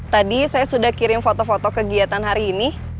tadi saya sudah kirim foto foto kegiatan hari ini